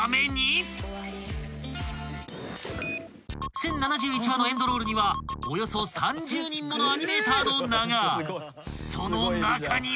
［１，０７１話のエンドロールにはおよそ３０人ものアニメーターの名が］